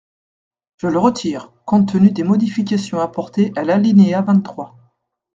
Je le retire, compte tenu des modifications apportées à l’alinéa vingt-trois.